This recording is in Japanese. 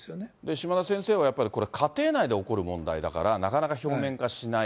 島田先生はやっぱり、これは家庭内で起こる問題だから、なかなか表面化しない。